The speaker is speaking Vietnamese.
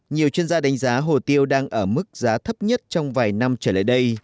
nhiều chuyên gia đánh giá hồ tiêu đang ở mức giá thấp nhất trong vài năm trở lại đây